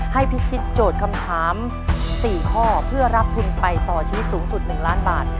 พิชิตโจทย์คำถาม๔ข้อเพื่อรับทุนไปต่อชีวิตสูงสุด๑ล้านบาท